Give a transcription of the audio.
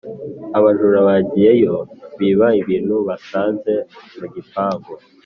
abajura bagiyeyo biba ibintu basanze mu gipangu